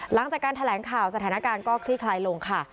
หลังจากการแถลงข่าวสถานการณ์ก็คลี่คลายลงค่ะ